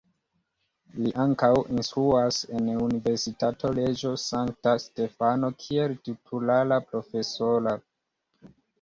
Li ankaŭ instruas en Universitato Reĝo Sankta Stefano kiel titulara profesoro.